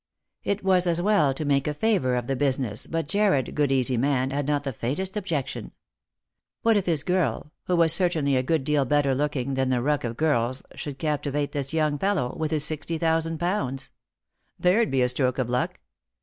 It was as well to make a favour of the business, but Jarred, good easy man, had not the faintest objection. What if his girl— who was certainly a good deal better looking than the ruck of girls — should captivate this young fellow, with his sixty thousand pounds P There'd be a stroke of luck.